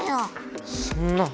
そんな。